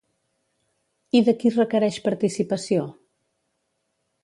I de qui requereix participació?